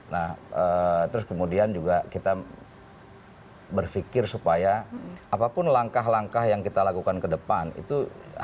nah terus kemudian juga kita berpikir supaya apapun langkah langkah yang kita lakukan ke depan itu